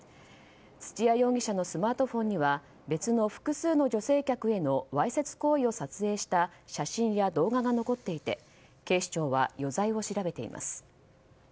土谷容疑者のスマートフォンには別の複数の女性客へのわいせつ行為を撮影した写真や動画が残っていて警視庁は余罪を調べています。